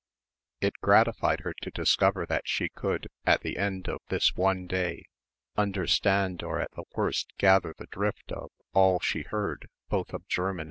It gratified her to discover that she could, at the end of this one day, understand or at the worst gather the drift of, all she heard, both of German and French.